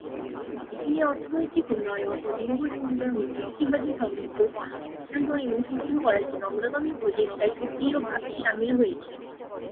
তিনি অর্থনৈতিক উন্নয়ন ও লিঙ্গ সমতার মধ্যে ইতিবাচক সংযোগ বিশ্লেষণ এবং সমর্থন করার জন্য অগ্রগামী প্রচেষ্টায় সক্রিয়ভাবে সামিল হয়েছেন।